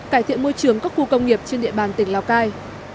cải thiện môi trường các khu công nghiệp trên địa bàn tỉnh lào cai